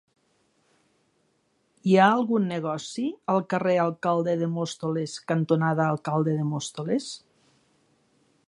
Hi ha algun negoci al carrer Alcalde de Móstoles cantonada Alcalde de Móstoles?